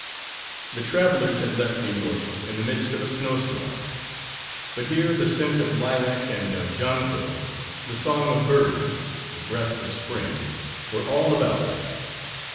The travellers had left New York in the midst of a snowstorm, but here the scent of lilac and of jonquil, the song of birds, the breath of spring, were all about them.